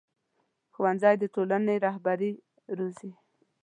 ښوونځی د ټولنې رهبري روزي